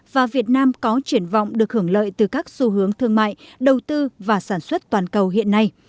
và việt nam có triển vọng được hưởng lợi từ các xu hướng thương mại đầu tư và sản xuất toàn cầu hiện nay